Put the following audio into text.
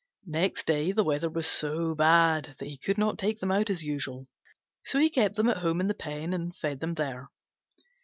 Next day the weather was so bad that he could not take them out as usual: so he kept them at home in the pen, and fed them there.